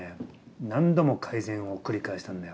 何度も改善を繰り返したんだよね。